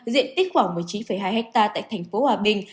diện tích khoảng một mươi chín hai ha tại tp hòa bình